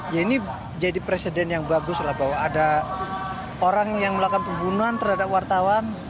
ya ini jadi presiden yang bagus lah bahwa ada orang yang melakukan pembunuhan terhadap wartawan